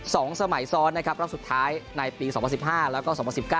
สองสมัยซ้อนนะครับรับสุดท้ายในปี๒๐๑๕แล้วก็๒๐๑๙